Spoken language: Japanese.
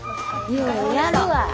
ようやるわ。